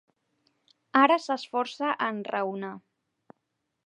Ara s'esforça a enraonar.